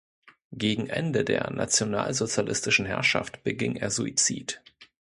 Gegen Ende der nationalsozialistischen Herrschaft beging er Suizid.